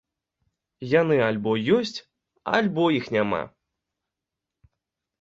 Яны альбо ёсць, альбо іх няма.